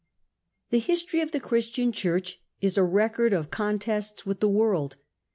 The history of the Christian Church is a record of con tests with the worid.